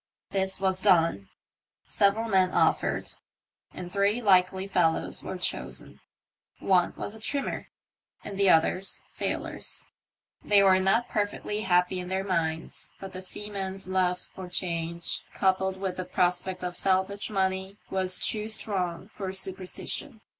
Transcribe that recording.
This was done ; several men offered, and three likely fellows were chosen. One was a trimmer, the others sailors. They were not perfectly happy in their minds, but the seaman's love of change, coupled with the prospect of salvage money, was too strong for supersti tion.